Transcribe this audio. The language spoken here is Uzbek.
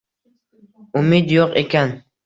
Umid yo’q ekan